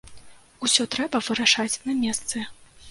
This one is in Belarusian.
Усё трэба вырашаць на месцы.